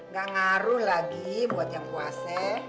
gak ngaruh lagi buat yang kuasa